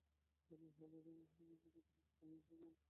গাড়ির হলদে গায় শিল্পী ফুটিয়ে তুলেছেন বর্ণিল সব মোটিফ ও বক্তব্য।